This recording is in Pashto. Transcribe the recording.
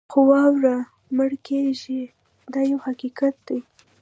څو واره مړه کېږي دا یو حقیقت دی.